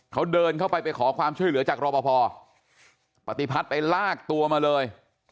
เขาเดินเข้าไปไปขอความช่วยเหลือจากรอปภปฏิพัฒน์ไปลากตัวมาเลย